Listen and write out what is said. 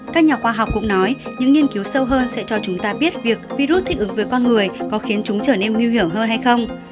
các nhà khoa học cũng nói những nghiên cứu sâu hơn sẽ cho chúng ta biết việc virus thích ứng với con người có khiến chúng trở nên nguy hiểm hơn hay không